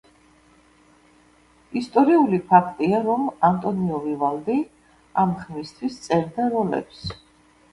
ისტორიული ფაქტია, რომ ანტონიო ვივალდი ამ ხმისთვის წერდა როლებს.